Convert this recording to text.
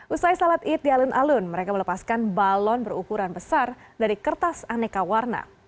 usai salat id di alun alun mereka melepaskan balon berukuran besar dari kertas aneka warna